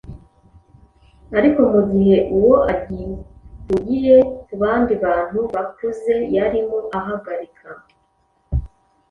ariko mu gihe uwo agihugiye ku bandi bantu bakuze yarimo ahagarika,